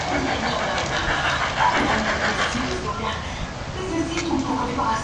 El municipio se encuentra localizado en la zona suroeste del departamento homónimo.